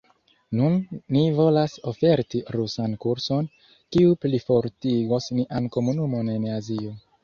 Nun ni volas oferti rusan kurson, kiu plifortigos nian komunumon en Azio.